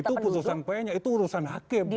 itu putusan pn nya itu urusan hakim